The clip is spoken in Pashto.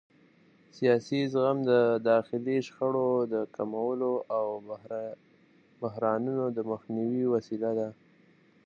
سیاسي زغم د داخلي شخړو د کمولو او بحرانونو د مخنیوي وسیله ده